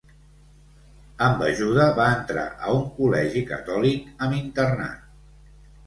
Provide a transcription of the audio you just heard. Amb ajuda va entrar a un col·legi catòlic amb internat.